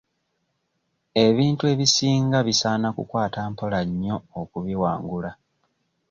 Ebintu ebisinga bisaana kukwata mpola nnyo okubiwangula.